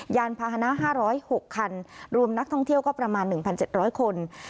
ยานพาหนะห้าร้อยหกคันรวมนักท่องเที่ยวก็ประมาณหนึ่งพันเจ็ดร้อยคน